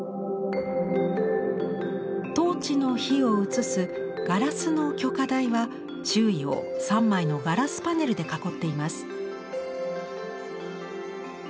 トーチの火を移す「ガラスの炬火台」は周囲を３枚のガラスパネルで囲っています。